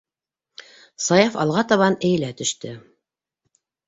- Саяф алға табан эйелә төштө.